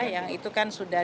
yang itu kan sudah